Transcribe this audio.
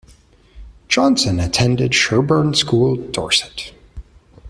Johnson attended Sherborne School, Dorset.